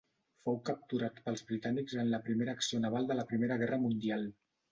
Fou capturat pels britànics en la primera acció naval de la Primera Guerra Mundial.